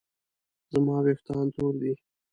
زما ویښتان تور دي